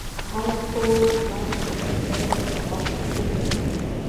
هایکو باید په لږ ځای کښي پراخ مفهوم ورکي.